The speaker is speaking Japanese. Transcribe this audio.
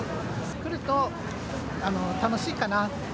来ると楽しいかな。